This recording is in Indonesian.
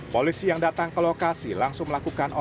polisi yang datang ke lokasi langsung melakukan operasi